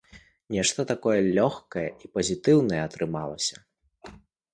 Нешта такое лёгкае і пазітыўнае атрымалася.